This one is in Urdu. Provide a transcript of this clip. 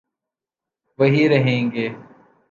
وہی رہیں گے۔